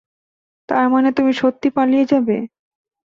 তারমানে তুমি সত্যি পালিয়ে যাবে?